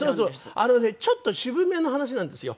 あのねちょっと渋めの話なんですよ。